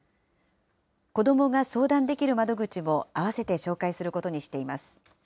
子どもが相談できる窓口も併せて紹介することにしています。